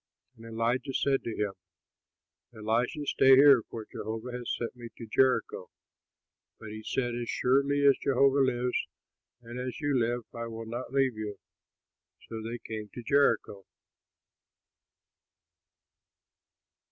And Elijah said to him, "Elisha, stay here, for Jehovah has sent me to Jericho." But he said, "As surely as Jehovah lives and as you live, I will not leave you." So they came to Jericho.